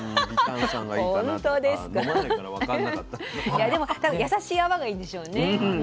いやでも多分やさしい泡がいいんでしょうね。